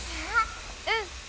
うん。